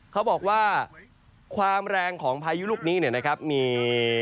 เขาบอกว่าความแรงของพายุลุกนี้